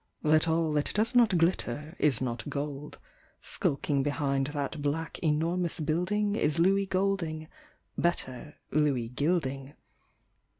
That all that does not glitter is jioc gold, Skulking behind that black enormous building Is Louis Golding, better, Louis Gilding.